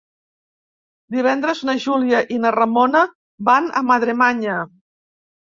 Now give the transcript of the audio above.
Divendres na Júlia i na Ramona van a Madremanya.